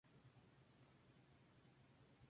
Esta ubicada en la provincia de Huarochirí, región Lima.